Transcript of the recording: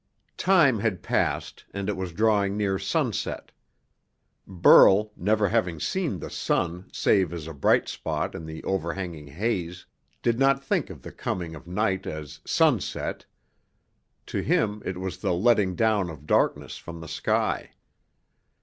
Time had passed, and it was drawing near sunset. Burl, never having seen the sun save as a bright spot in the overhanging haze, did not think of the coming of night as "sunset." To him it was the letting down of darkness from the sky.